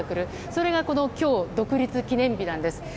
それが今日、独立記念日なんです。